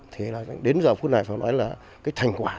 thì là đến giờ phút này phải nói là